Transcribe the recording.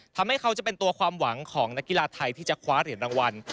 เขาจะเป็นตัวความหวังของนักกีฬาไทยที่จะคว้าเหรียญรางวัล